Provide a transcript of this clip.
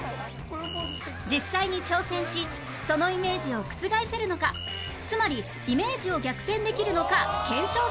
実際に挑戦しそのイメージを覆せるのかつまりイメージを逆転できるのか検証する企画